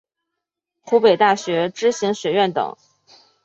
湖北大学知行学院等